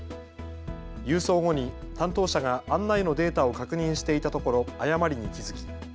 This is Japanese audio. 郵送後に担当者が案内のデータを確認していたところ誤りに気付き